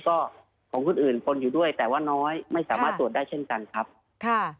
ก็ของคนอื่นปนอยู่ด้วยแต่ว่าน้อยไม่สามารถตรวจได้เช่นกันครับค่ะ